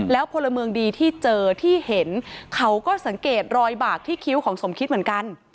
แล้วพลเมืองดีที่เจอที่เห็นเขาก็สังเกตรอยบากที่คิ้วของสมคิดเหมือนกัน